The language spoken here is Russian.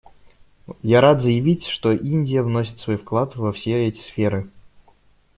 Я рад заявить, что Индия вносит свой вклад во все эти сферы.